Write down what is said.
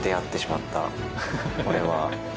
俺は。